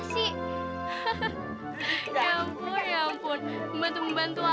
sampai jumpa di video selanjutnya